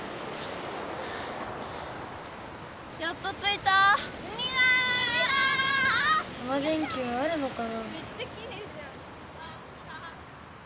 タマ電Ｑあるのかな？